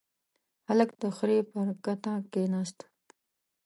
هلک د خرې پر کته کېناست.